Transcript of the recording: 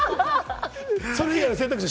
それ以外の選択肢を